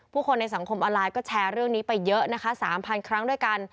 คนในสังคมออนไลน์ก็แชร์เรื่องนี้ไปเยอะนะคะ๓๐๐ครั้งด้วยกัน